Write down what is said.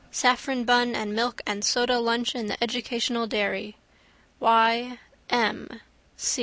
Saffron bun and milk and soda lunch in the educational dairy. Y. M.